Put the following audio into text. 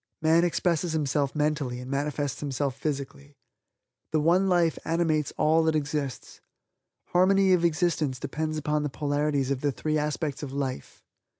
Man expresses himself mentally and manifests himself physically. The One Life animates all that exists. Harmony of existence depends upon the polarities of the three aspects of life.